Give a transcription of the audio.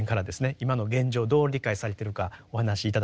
今の現状をどう理解されてるかお話し頂けますか？